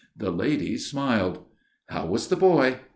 The ladies smiled. How was the boy?